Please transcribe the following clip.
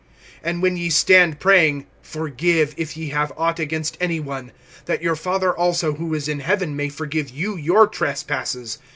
(25)And when ye stand praying, forgive, if ye have aught against any one; that your Father also who is in heaven may forgive you your trespasses.